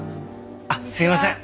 あっすいません。